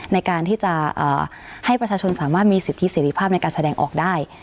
ในการที่จะให้ประชาชนสามารถมีสิทธิเสรีภาพในการแสดงออกได้